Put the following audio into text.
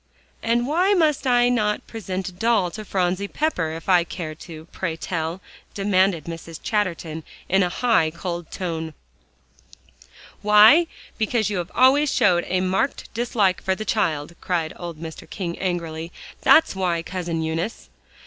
"And why may I not present a doll to Phronsie Pepper, if I care to, pray tell?" demanded Mrs. Chatterton in a high, cold tone. "Why? because you have always showed a marked dislike for the child," cried old Mr. King angrily, "that's why, Cousin Eunice."